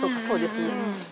そうですね。